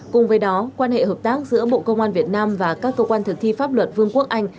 cùng với đó quan hệ hợp tác giữa bộ công an việt nam và các cơ quan thực thi pháp luật vương quốc anh